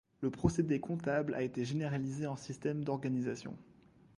Le procédé comptable a été généralisé en système d'organisation.